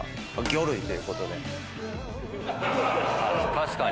確かに。